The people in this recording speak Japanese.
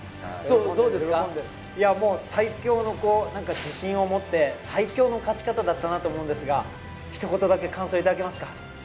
最強の自信を持って最強の勝ち方だったと思うんですが、ひと言だけ感想をいただけますか？